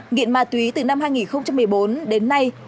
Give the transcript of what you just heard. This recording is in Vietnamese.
nghiện ma túy từ năm hai nghìn một mươi bốn đến nay